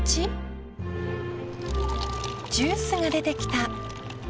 ［ジュースが出てきた］